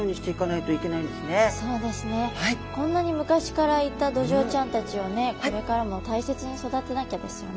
こんなに昔からいたドジョウちゃんたちをねこれからも大切に育てなきゃですよね。